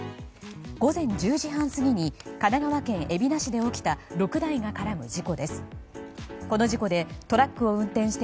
午前１０時半過ぎに神奈川県海老名市で起きた６台が絡む事故です。